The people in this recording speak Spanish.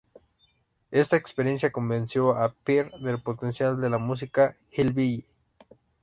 Esta experiencia convenció a Peer del potencial de la música hillbilly.